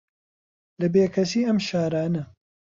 لە بێکەسی ئەم شارانە